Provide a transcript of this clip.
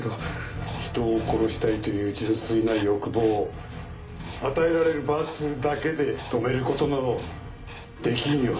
人を殺したいという純粋な欲望を与えられる罰だけで止める事など出来んよ。